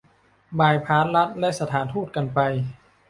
บายพาสรัฐและสถานทูตกันไป